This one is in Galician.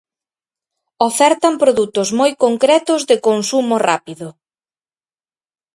Ofertan produtos moi concretos de consumo rápido.